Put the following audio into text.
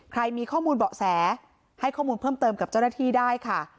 ใครมีข้อมูลเบาะแสให้ข้อมูลเพิ่มเติมกับเจ้าหน้าที่ได้ค่ะ